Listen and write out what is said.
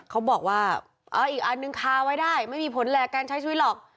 เขาบอกว่าอีกอันนึงคาไว้ได้ไม่มีผลแหลกการใช้ชีวิตหรอก